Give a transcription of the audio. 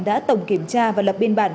đã tổng kiểm tra và lập biên bản